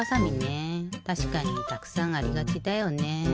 たしかにたくさんありがちだよね。